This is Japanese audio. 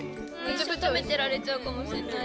ずっとたべてられちゃうかもしんない。